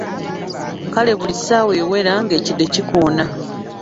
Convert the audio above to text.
Kale buli ssaawa ewera ng’ekide kikoona.